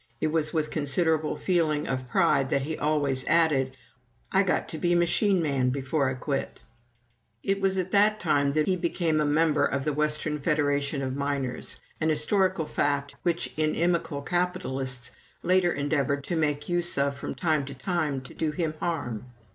It was with considerable feeling of pride that he always added, "I got to be machine man before I quit." It was at that time that he became a member of the Western Federation of Miners an historical fact which inimical capitalists later endeavored to make use of from time to time to do him harm.